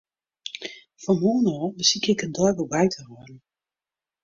Fan moarn ôf besykje ik in deiboek by te hâlden.